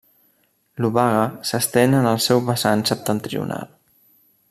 L'Obaga s'estén en el seu vessant septentrional.